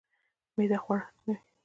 معده خواړه هضموي